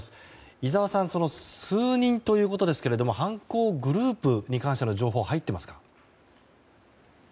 井澤さん、数人ということですけども犯行グループに関する情報は入っていますか？